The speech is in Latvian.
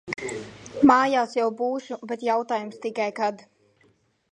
Mājās jau būšu, bet jautājums tikai kad.